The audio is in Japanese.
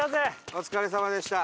お疲れさまでした！